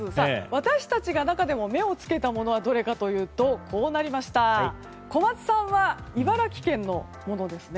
私たちが中でも目を付けたものはどれかというと小松さんは茨城県のものですね。